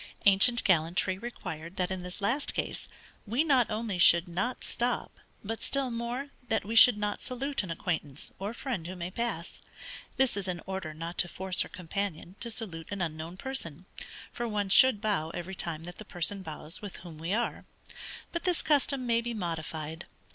Ancient gallantry required that in this last case, we not only should not stop, but still more, that we should not salute an acquaintance, or friend who may pass; this is in order not to force her companion to salute an unknown person (for one should bow every time that the person bows with whom we are;) but this custom may be modified.